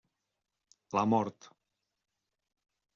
La mort.